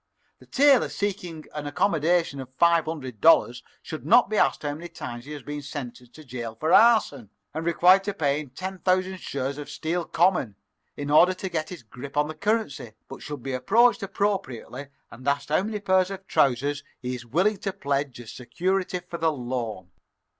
The tailor seeking an accommodation of five hundred dollars should not be asked how many times he has been sentenced to jail for arson, and required to pay in ten thousand shares of Steel common, in order to get his grip on the currency, but should be approached appropriately and asked how many pairs of trousers he is willing to pledge as security for the loan."